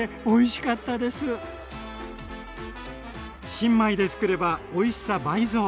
新米でつくればおいしさ倍増。